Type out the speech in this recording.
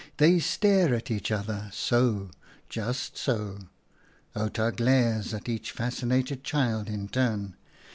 They stare at each other — so — just so —" Outa glares at each fascinated child in turn.